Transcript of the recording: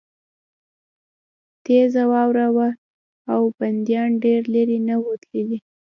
تېزه واوره وه او بندیان ډېر لېرې نه وو تللي